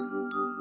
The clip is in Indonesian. terima kasih yoko